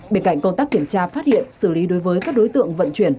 bên cạnh công tác kiểm tra phát hiện xử lý đối với các đối tượng vận chuyển